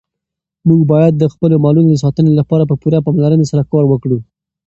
موږ باید د خپلو مالونو د ساتنې لپاره په پوره پاملرنې سره کار وکړو.